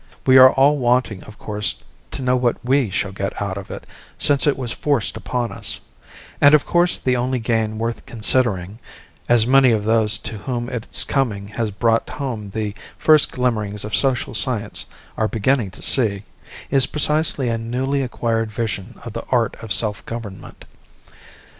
We are all wanting, of course, to know what we shall get out of it, since it was forced upon us; and of course the only gain worth considering as many of those to whom its coming has brought home the first glimmerings of social science are beginning to see is precisely a newly acquired vision of the art of self government.